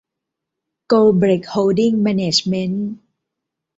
โกลเบล็ก โฮลดิ้ง แมนเนจเม้นท์